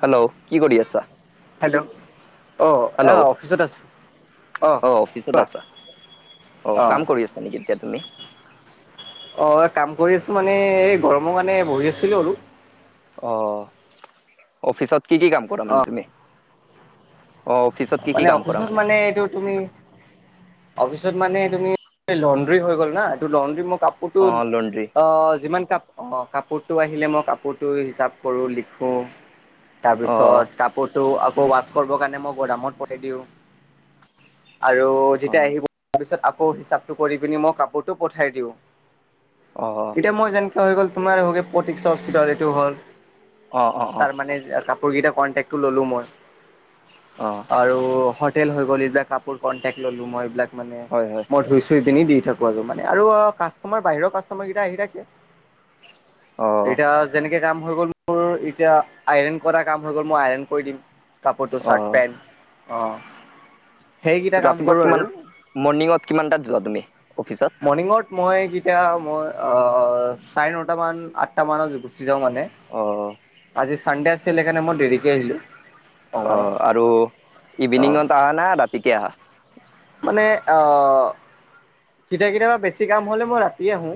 Hello কি কৰি আছা? হেল্ল' অ অ হেল্ল' অফিচত আছোঁ অ অফিচত কোৱা। আছা? অ কাম কৰি আছা নেকি? এতিয়া তুমি? অ কাম কৰি আছোঁ মানে এই গৰমৰ কাৰণে বহি আছিলোঁ আৰু। অ অফিচত কি কি কাম কৰা অ' মানে তুমি? অ অফিচত কি কি মানে কাম কৰা অফিচত মানে এইটো তুমি অ- ত মানে তুমি লণ্ড্ৰি হৈ গ'ল না ত লণ্ড্ৰি মোৰ কাপোৰটো অ লণ্ড্ৰি অ যিমান কাপ অ কাপোৰটো আহিলে মই কাপোৰটো হিচাপ কৰোঁ লিখোঁ। তাৰ অ পিছত কাপোৰটো আকৌ ৱাছ কৰিবৰ কাৰণে মই গোদামত। দিওঁ আৰু অ যেতিয়া আহিব তাৰপিছত, কৌ হিচাপটো কৰি পিনি মই কাপোৰটো পঠাই দিওঁ অ এতিয়া মোৰ যেনেকে হৈ গ'ল - তোমাৰ প্ৰতিকচচ এইটো হ'ল অ অ অ তাৰ মানে কাপোৰ কেইটা। কণ্টেক্টটো ল'লোঁ মই। অ আৰু হোটেল হৈ গ'ল এইবিলাক কাপোৰ কন্টেক ললো মই এইবিলাক মানে হয় হয় মই ধুই চুই পিনি দি থাকোঁ মানে আৰু কাষ্টমাৰ বাহিৰৰ কাষ্টমাৰ কেইটা আহি থাকে অ ধৰ এতিয়া যেনে কাম হৈ গ'ল মোৰ এতিয়া আইৰন কৰা কাম হৈ গ'ল মই আইৰন কৰি দিম। কাপোৰটো অ চাৰ্ট পেন্ট। কাম ৰাতিপুৱা কৰোঁ আৰু কিমান মৰ্ণিঙত কিমানটাত যোৱা তুমি? অফিচত? মৰ্ণিঙত মই কেতিয়া মই অ চাৰে নটা মান আঠটা মানত উঠি যাওঁ মানে, অ আজি ছানডে আছিল সেইকাৰণে মই দেৰিকৈ আহিলোঁ। অ আৰু ইভিনিঙত অ' আহা না ৰাতিকে আহা? মানে অ, কেতিয়াবা কেতিয়াবা বেছি কাম হ'লে মই ৰাতিয়ে আহোঁ।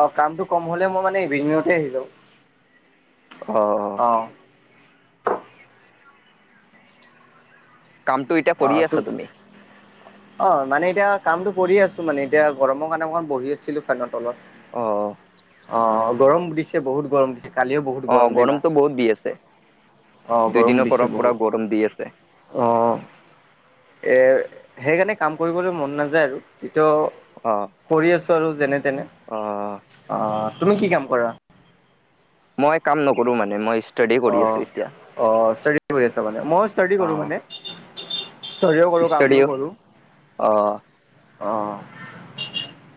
অ কামটো কম হ'লে মই মানে ইভিনি‍ংতে আহি যাওঁ। অহ। অ কামটো এতিয়া অ কৰি তোক আছা তুমি? অ মানে এতিয়া কামটো কৰি আছোঁ মানে এতিয়া গৰমৰ কাৰণে অকমান বহি আছিলোঁ ফেনত। তলত, অ অ গৰম দিছে বহুত গৰম দিছে। কালিও বহুত অ গৰম দিলা। গৰমটো বহুত দি আছে অ গৰম দুইদিনৰ পৰৰ দিছে পৰা পুৰা বহুত, গৰম দি আছে। অ। এ সেইকাৰণে কাম কৰিবলৈ মন নাযায় আৰু। ত অ কৰি আছোঁ আৰু যেনে তেনে, অ অ। তুমি কি কাম কৰা? মই কাম নকৰোঁ মানে মই ষ্টাডি অ কৰি আছো এতিয়া। অ ষ্টাদি কৰি আছ মানে, মই ষ্টাদি অ। কৰোঁ মানে ষ্টাদিও কৰোঁ কামো ষ্টডিঅ কৰোঁ। অ অ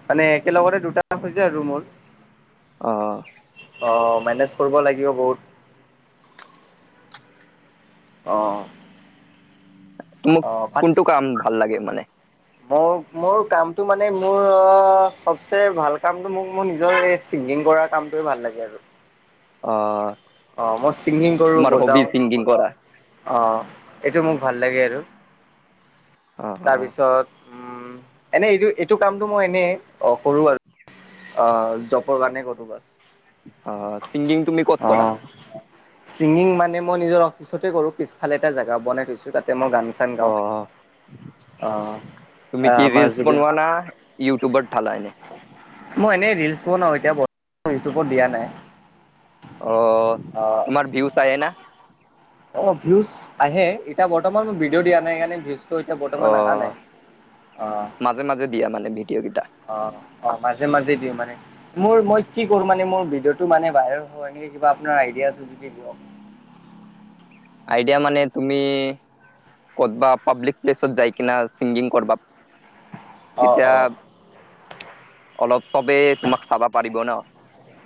মানে একেলগতে দুটা হৈ যায় আৰু মোৰ। আহ। অ মেনেজ কৰিব লাগিব বহুত। অ। টো মোক অ' বাট কোনটো কাম ভাল লাগে মানে? মোৰ মোৰ কামটো মানে মোৰ চবচে ভাল কামটো মোক মোৰ নিজৰ চিনি গিং কৰা কামটোৱে ভাল লাগে আৰু। অ। অ মই ছিংগিং কৰোঁ, তোমাৰ হবি বজাওঁ ছিংগিং কৰা? অ। এইটো মোক ভাল লাগে আৰু অ অ তাৰপিছত উম এনেই এইটো এইটো কামটো মই এনে অ কৰোঁ আৰু। অহ, জপৰ কাৰনে ক'তো বাচ। অহ, চিং গিং তুমি ক'ত কৰা? অ'। ছিংগিং মানে মই নিজৰ অফিচতে কৰো পিছফালে এটা জাগা বনাই থৈছো তাত। তাতে মই গান চান অ গাও। [inaudible] তুমি কি ৰিলছ জুবিন বনোৱা না ইউটিউবত ধালা এনে? মই এনেই ৰিলচ বনাও এতিয়া বৰ্তমান ইউটিউবত দিয়া নাই। অ অ' তোমাৰ ভিউ চাই না? অ ভিউজ আহে, এতিয়া বৰ্তমান মই ভিডিঅ' দিয়া নাই সেইকাৰণে ভিউজ ত' এতিয়া অ বৰ্তমান অহা নাই অ। মাজে মাজে দিয়া মানে ভিডিঅ' কেইটা। অ। অ মাজে মাজে দিওঁ মানে, মোৰ মই কি কৰো মানে মোৰ ভিডিঅ'টো মানে ভাইৰেল হ‌য় এ কিবা‌ আপোনাৰ আইডি এয়া চজিক আইডিয়া মানে তুমি কত বা পাব্লিক প্লেছত যায় কিনা ছিংগিং কৰবা অ' তেতিয়া অ' অলপ চবেই তোমাক চাবা পাৰিব ন।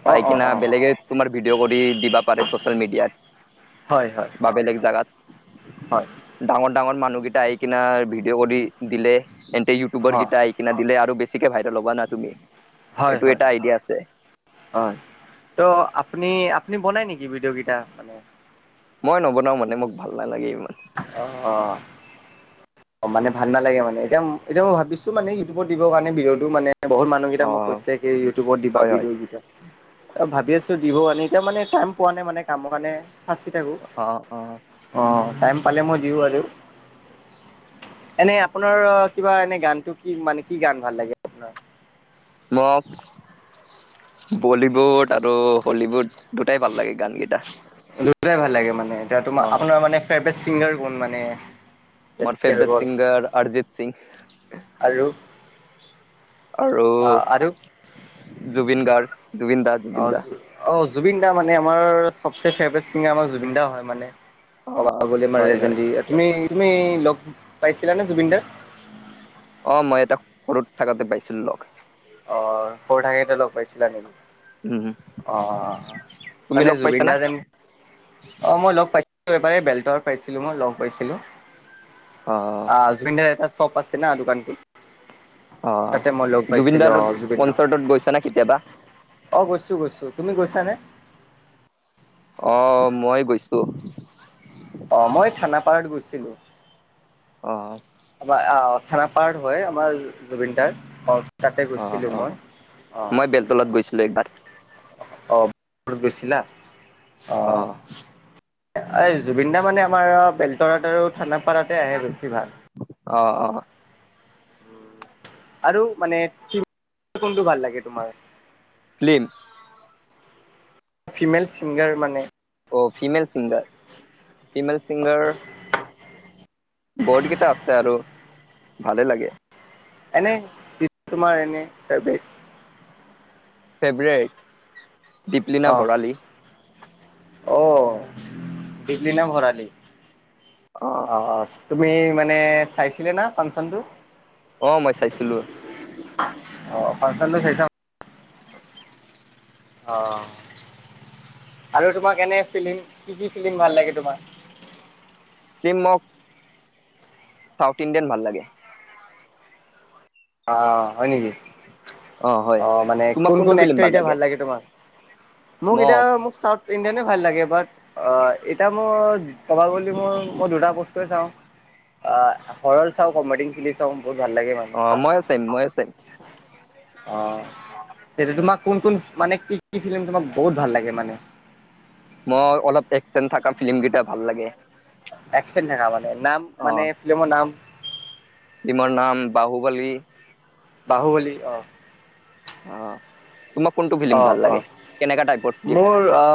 চাই অ' অ' কিনা অ' বেলেগে তোমাৰ ভিডিঅ' কৰি দিবা পাৰে চচিয়েল হয় হয় মিডিয়াত। বা বেলেগ হয় জাগাত ডাঙৰ- ডাঙৰ মানুহ গি তাহি কিনাৰ ভিডিঅ' কৰি দিলে তেন্তে ইউটিউবাৰ অ' কেইটা আহি কিনে দিলে আৰু বে বেচিকে ভাইৰেল হবা না তুমি। হয় এইটো হয়, এটা আইডিয়া আছে হয় ত আপুনি- আপুনি বনাই নেকি ভিডিঅ' কেইটা মানে? মই নবনাও মানে মোক ভাল নালাগে এ অ। অ মানে ভাল নালাগে মানে এতিয়া এতিয়া মই ভাবিছো মানে ইউটিউবত দিবৰ কাৰণে ভিডিঅ'টো মানে বহুত মানুহকেইটা অ মোক কৈছে কি ইউটিউবত দিবা হয় হয় ভিডিঅ' কেইটা ভাবি আছো দিব আনি এতিয়া মানে টাইম পোৱা নাই মানে কামৰ কাৰণে ফাচি থাকোঁ অ অ অ', টাইম পালে মই দিও আৰু। এনে আপোনাৰ কিবা এনে গানটো কি মানে কি গান ভাল লাগে আপোনাৰ? মক বলীউড আৰু হলীউড। দুটাই ভাল লাগে গান কেইটা [inaudible] দুটাই ভাল লাগে মানে এতিয়া তোমাৰ অ আপোনাৰ মানে ফেবৰে ছিংগাৰ কোন মানে? মোৰ যেনেকে হৈ ফেভৰেট গ'ল ছিংগাৰ অৰজিত সিং। আৰু আৰু আৰু জুবিন গাৰ্গ। জুবিন দা -জুবিন অ', দা। অ', জুবিন দা মানে আমাৰ চবচে ফেভৰেট ছিংগাৰ আমাৰ জুবিন দা হয় মানে। অ হয় হয় [unintelligible] তুমি লগ পাইছিলানে জুবিন দাক? অ', মই এটা সৰুত থাকাতে পাইছিলো লগ। অ', সৰু থাকাতে লগ পাইছিলা নেকি? অ', উম, অ', অ', অ', তুমি মানে লগ পাইছা জুবিন না? দা যেন অহ, মই লগ পাইছিলো এবাৰ এ বেলতলাত পাইছিলোঁ মই লগ পাইছিলোঁ অ', আ, জুবিন দাৰ এটা শ্বপ আছে না দোকানটো। অ'। তাতে মই লগ জুবিন পাইছিলো দাৰ অহ জুবিন দাক। কনচাৰ্টত গৈছা নে কেতিয়াবা? অহ, গৈছো -গৈছো তুমি গৈছানে? অ', মই গৈছো। অহ, মই থানাপাৰত গৈছিলো। অহ, আমাৰ আহ থানাপাৰাৰ হয় আমাৰ জুবিন দাৰ তাতে অ', গৈছিলো মই অ'। মই বেলতলাত গৈছিলোঁ একবাৰ। অহ। অ', ঘৰত গৈছিলা? অ অহ। এই জুবিন দা মানে আমাৰ আ বেলতলাত আৰু থানাপাৰাতে আহে বেছিভাগ। অহ অহ। আৰু মানে কোনটো ভাল লাগে তোমাৰ? ফিল্ম। ফিমেল ছিংগাৰ মানে। অহ, ফিমেল চিংগাৰ, ফিমেল চিংগাৰ বহুত কেইটা আছে আৰু ভালে লাগে। এনে তোমাৰ এনে [unintelligible] ফেভৰেট দীপলিনা অ ভৰালি। অ', দিপলীনা ভৰালী অ', অ', চ তুমি মানে চাইছিলা না ফাংচনটো? অহ, মই চাইছিলোঁ। অ', ফাংচনটো চাইছা অ', আৰু তোমাক এনে ফিল্ম কি -কি ফিল্ম ভাল লাগে তোমাৰ? ফিল্ম [unintelligible] চাউথ ইণ্ডিয়ান ভাল লাগে। অ', হয় নেকি হয়। অ', মানে তোমাক কোন কোনটো -কোন ফিল্ম এক্টৰ এতিয়া ভাল লাগে তোমাক? মোক এতিয়া মোক চাউথ ইণ্ডিয়ানো ভাল লাগে বাট এতিয়া মোৰ কবা গলি মোৰ মই দুটা বস্তুৱে চাওঁ। অ', হৰৰ চাওঁ, কমেডিং ফিলি চাওঁ বহুত ভাল লাগে। [unintelligible] অ', ময়ো চেম, ময়ো চেম। অহ, সেইটো তোমাক কোন -কোন মানে কি -কি ফিল্ম তোমাক বহুত ভাল লাগে মানে? মৰ অলপ একচেন থাকা ফিল্ম কেইটা ভাল লাগে। একচেন থাকা মানে নাম মানে অ'। ফিল্মৰ নাম? ফিল্মৰ নাম বাহুবলী। বাহুবলী অ। অহ। অ অ ফিল্ম মোৰ অ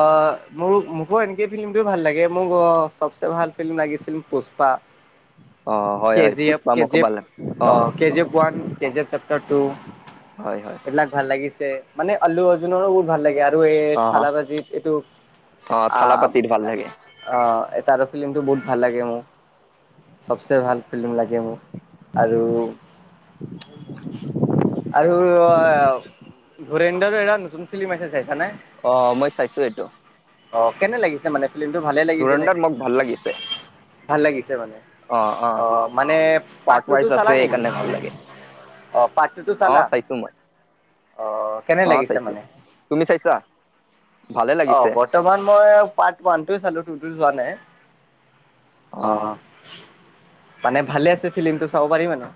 মোৰ মোকো এ ফিল্মটো ভাল লাগে মোক অ চবচে ভাল ফিল্ম লাগিছিল পুষ্পা। [unintelligible] কে হয় জি এফ পুষ্পা কে জি এফ মকবাল অ কে জি এফ ওৱান কে জি এফ চেপ্টাৰ টু। হয় হয় এইবিলাক ভাল লাগিছে মানে অলু অৰ্জুনৰো বহুত ভাল লাগে আ আৰু এই অ থালাবা যে এ এইটো অ আহ থালাপাতিত ভাল লাগে অ। তাৰো ফিল্মটো বহুত ভাল লাগে মো। চবচে ভাল ফিল্ম লাগে মোৰ আৰু আৰু আ ধুৰেন্দৰ এটা নতুন ফিল্ম আহিছে চাইছা নে? অ মই চাইছোঁ এইটো। অ কেনে লাগিছে মানে ফিল্মটো ভালে লাগিছে নে? ধুৰন্ধৰ মোক ভাল লাগিছে ভাল লাগিছে মানে। অ মানে পাৰ্ট টু ৱাইজ টো আছে চালা নেকি? সেইকাৰণে ভাল লাগে অ পাৰ্ট টু টো অ চালা। চাইছো মই অহ কেনে অ লাগিছে চাইছো মানে? তুমি চাইছা ভালে অ লাগিছে বৰ্তমান মই পাৰ্ট ওৱান চালো টু টো চোৱা নাই। অ মানে ভালে আছে ফিল্মটো চাব পাৰি মানে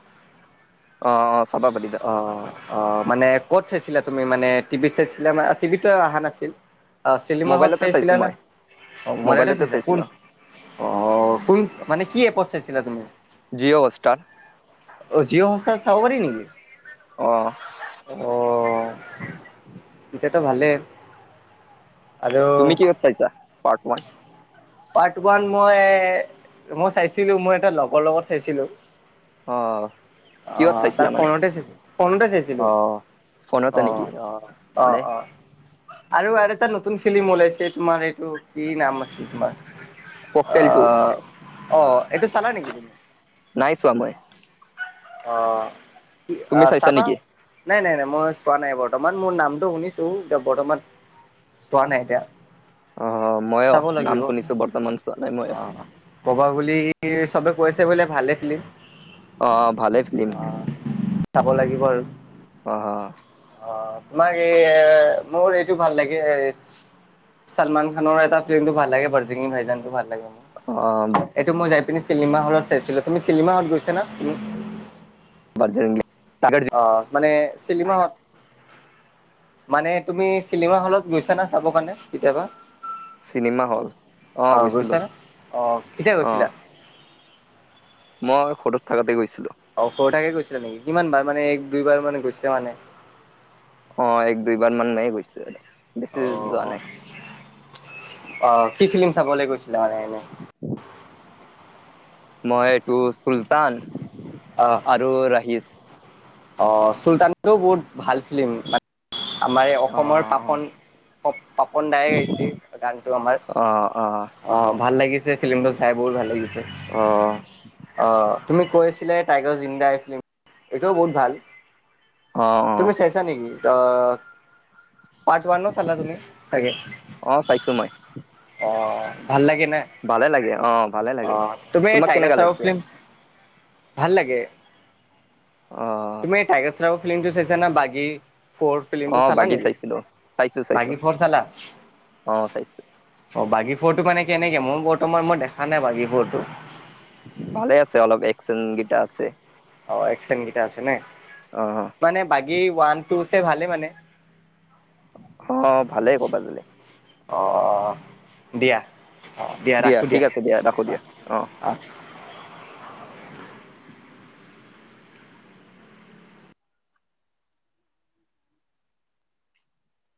অ অ চাবা পাৰিবা অহ অহ। মানে ক'ত চাইছিলা তুমি মানে টিভিত চাইছিলা ম টিভিতটো অহা নাছিল। অ চিনেমা হলত মোবাইলতে চাইছো চাইছিলা না, মই অ মলটো মোবাইলতে চাইছা কোন চাইছিলো অ কোন মানে কি এপত চাইছিলা তুমি জিঅ' হটষ্টাৰ অ জিঅ হটষ্টাৰ চাব পাৰি নেকি? অহ। এতিয়াটো ভালেই। আৰু তুমি কিহত চাইছা পাৰ্টৱান। পাৰ্ট ওৱান মই মই চাইছিলো মই এটা লগৰ লগত চাইছিলো। অ। কিহত আহ তাৰ চাইছিলা মানে ফোনতে চাই ফোনতে অ চাইছিলো। ফোনতে নেকি অঁ অ অঁ ভালে অঁ। আৰু আৰু এটা নতুন ফিল্ম ওলাইছে তোমাৰ এইটো কি নাম আছিল তোমাৰ ককটেল টু, আহ অ' এইটো চালা নেকি তুমি? নাই চোৱা মই। অঁ কি তুমি চাইছা চাবা। নেকি নাই নাই নাই মই চোৱা নাই বৰ্তমান মোৰ নামটো শুনিছোঁ এতিয়া বৰ্তমান, চোৱা নাই এতিয়া। অ মইয়ো চাব নাম লাগিব শুনিছো বৰ্তমান চোৱা নাই মই অ ক'বা গলি চবে কৈছে বোলে ভালে ফিল্ম। অ ভালে ফিল্ম অ চাব লাগিব আৰু অ অ। তোমাক এই মোৰ এইটো ভাল লাগে। এছ চলমান খানৰ এটা ফিল্মটো ভাল লাগে বৰজিঙি ভাইজানটো ভাল লাগে অ মোৰ। এইটো মই যাই পিনি চিনেমা হলত চাইছিলো। তুমি চিনেমা হলত গৈছা না তুমি? বাজৰংগী টাইগাৰ অহ মানে চিনিমাহত। মানে তুমি চিনেমা হলত গৈছা না চাব কাৰণে কেতিয়াবা? চিনেমা হল অ অহ গৈছিলো গৈছানে? অহ কেতিয়া অ গৈছিলা‌? মই সৰুত থাকোঁতে গৈছিলো। অ সৰু থাকে গৈছিলা নেকি? কিমান বাৰ মানে এক দুইবাৰ মানে গৈছিলে মানে? অ এক দুইবাৰ মান মে গৈছো আৰু বেছি যোৱা নাই। অহ কি ফিল্ম চাবলে গৈছিলা মানে এনেই। মই এইটো চুলতান আৰু ৰাহিচ। আহ চুলতানও বহুত ভাল ফিল্মান আমাৰ এই অ অসমৰ পাপন। প পাপন দাই গাইছিল গানতটো আমাৰ অ ভাল লাগিছিল। ফিল্মটো চাই বহুত ভাল লাগিছে অ অ। তুমি কৈ আছিলে টাইগাৰ জিন্ডাই ফিল্ম এইটোও, বহুত ভাল। অ অ তুমি চাইছা নেকি? পাৰ্ট ওৱানও চালা তুমি চাগে। অ চাইছো মই অ ভাল লাগে ন। ভালে লাগে অ ভালে অ লাগে তুমি তোমাক টাইগাৰ কেনেকা চাহৰ লাগিছে ফিল্ম। ভাল লাগে, অ তুমি টাইগাৰছ ৰাওৰ ফিল্মটো চাইছা না বঘি। ফ'ৰ অ ফ্লিমটো চালা বাকী নেকি চাইছিলো চাইছো চাইছো বাঘি ফৰ চালা। অ চাইছো অ বাগী ফুৰতটো মানে কেনেকে মোৰ বৰ্তমান মই দেখা নাই বাগী ফুৰটো। ভালে আছে অলপ একসংগীটা আছে। অ একচন গীতা আছে নে। অ হ। মানে বাকী ওৱান টু চে ভালে মানে। অ ভালেই ক'বা যে। অ অ দিয়া। অ দিয়া ৰাখো দিয়া, ঠিক আছে ৰাখো অ দিয়া অ।